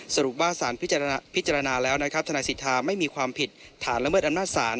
สรุปว่าศาลพิจารณาแล้วธนาศิษฐาไม่มีความผิดฐานละเมิดอำนาจศาล